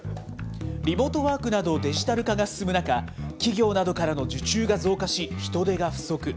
リモートワークなど、デジタル化が進む中、企業などからの受注が増加し、人手が不足。